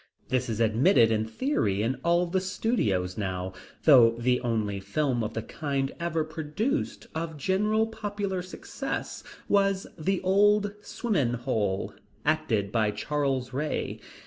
This is admitted in theory in all the studios now, though the only film of the kind ever produced of general popular success was The Old Swimmin' Hole, acted by Charles Ray.